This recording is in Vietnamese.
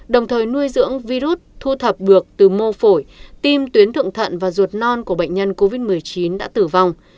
đồng thời nuôi dưỡng virus thu thập được từ mô phổi tim tuyến thượng thận và ruột non của bệnh nhân covid một mươi chín đã tử vong